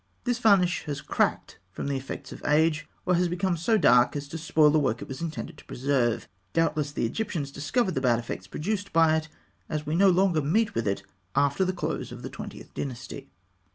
This varnish has cracked from the effects of age, or has become so dark as to spoil the work it was intended to preserve. Doubtless, the Egyptians discovered the bad effects produced by it, as we no longer meet with it after the close of the Twentieth Dynasty.